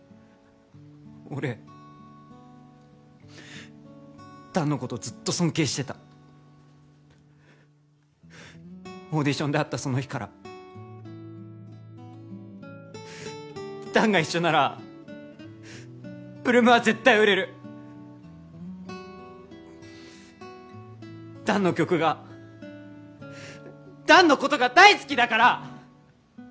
俺弾のことずっと尊敬してたオーディションで会ったその日から弾が一緒なら８ＬＯＯＭは絶対売れる弾の曲が弾のことが大好きだから！